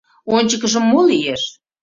Ончыкыжым мо лиеш?